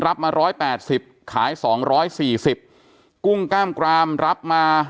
เฮ้ยเฮ้ยเฮ้ยเฮ้ย